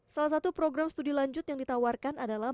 salah satu program studi lanjut yang ditawarkan adalah